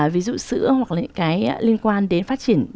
ví dụ sữa hoặc là những cái liên quan đến phát triển